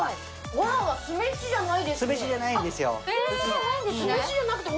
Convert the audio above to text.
ごはんは酢飯じゃないですね。